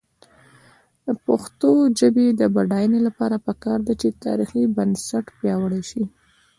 د پښتو ژبې د بډاینې لپاره پکار ده چې تاریخي بنسټ پیاوړی شي.